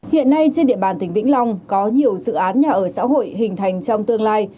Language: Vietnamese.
hiện nay trên địa bàn tỉnh vĩnh long có nhiều dự án nhà ở xã hội hình thành trong tương lai